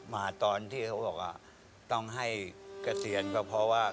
มาตอนที่เขาบอกว่าต้องให้เกษียณก็เพราะว่า